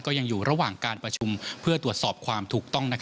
ยังอยู่ระหว่างการประชุมเพื่อตรวจสอบความถูกต้อง